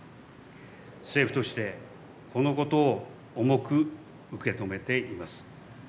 政府としてこのことを重く受け止めています。